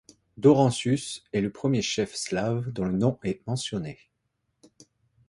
Daurentius est le premier chef slave dont le nom est mentionné.